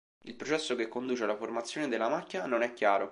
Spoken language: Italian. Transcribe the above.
Il processo che conduce alla formazione della macchia non è chiaro.